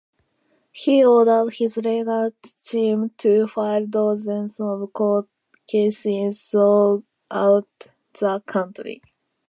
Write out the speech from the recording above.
He ordered his legal team to file dozens of court cases throughout the country.